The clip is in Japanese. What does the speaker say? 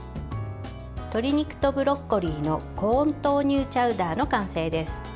鶏肉とブロッコリーのコーン豆乳チャウダーの完成です。